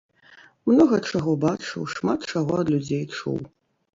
Многа чаго бачыў, шмат чаго ад людзей чуў.